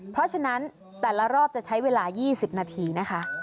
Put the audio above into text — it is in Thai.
เพราะฉะนั้นแต่ละรอบจะใช้เวลา๒๐นาทีนะคะ